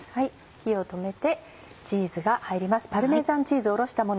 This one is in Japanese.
火を止めてチーズが入ります。